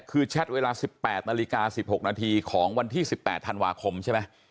คือแชทเวลา๑๘นาฬิกา๑๖นาทีของวันที่๑๘ธันวาคมใช่ไหม